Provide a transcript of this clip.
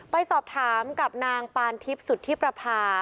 ไปสอบถามกับนางปานทิพย์สุธิประพา